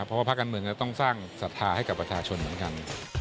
เพราะว่าภาคการเมืองก็ต้องสร้างศรัทธาให้กับประชาชนเหมือนกัน